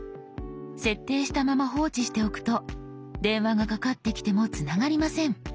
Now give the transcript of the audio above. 設定したまま放置しておくと電話がかかってきてもつながりません。